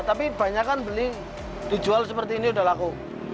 tapi banyak kan beli dijual seperti ini sudah laku